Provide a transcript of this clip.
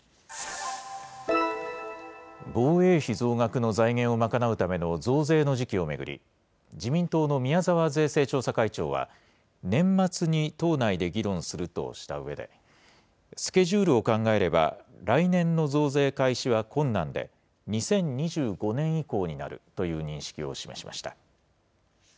防衛費増額の財源を賄うための増税の時期を巡り、自民党の宮沢税制調査会長は、年末に党内で議論するとしたうえで、スケジュールを考えれば来年の増税開始は困難で、２０２５年以降になるという認識を示しました。